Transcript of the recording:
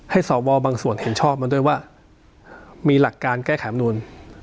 สวบางส่วนเห็นชอบมาด้วยว่ามีหลักการแก้ไขมนูล